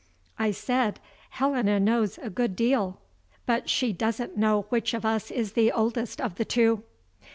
I said: "Helena knows a good deal; but she doesn't know which of us is the oldest of the two."